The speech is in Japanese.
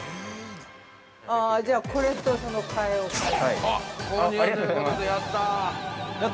◆じゃあ、これとその替えを買いましょう。